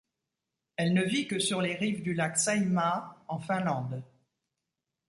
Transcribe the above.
Elle ne vit que sur les rives du lac Saimaa, en Finlande.